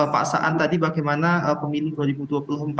pak saan tadi bagaimana pemilih